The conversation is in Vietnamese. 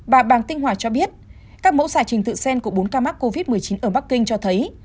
bàng tinh hòa cho biết các mẫu giải trình tự sen của bốn ca mắc covid một mươi chín ở bắc kinh cho thấy